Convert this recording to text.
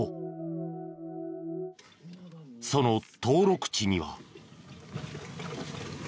その登録地には。